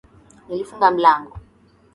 Nilifunga mlango.